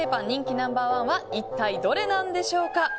人気ナンバー１は一体どれなんでしょうか。